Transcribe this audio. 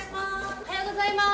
おはようございます。